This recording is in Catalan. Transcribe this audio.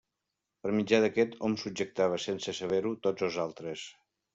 Per mitjà d'aquest, hom subjectava, sense saber-ho, tots els altres.